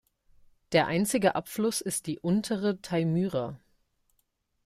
Der einzige Abfluss ist die "Untere Taimyra".